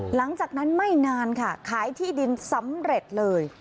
หลังจากนั้นไม่นานค่ะขายที่ดินสำเร็จเลย